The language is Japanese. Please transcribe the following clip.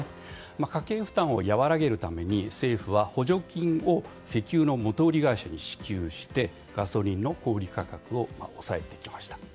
家計負担を和らげるために政府は補助金を石油の元売り会社に支給してガソリンの小売価格を抑えてきました。